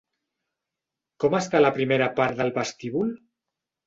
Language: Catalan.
Com està la primera part del vestíbul?